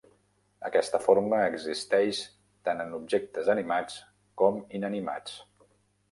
Aquesta forma existeix tan en objectes animats com inanimats.